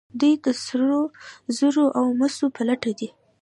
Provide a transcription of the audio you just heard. دوی د سرو زرو او مسو په لټه دي.